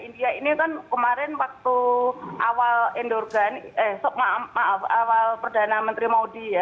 india ini kan kemarin waktu awal endurgani maaf awal perdana menteri maudi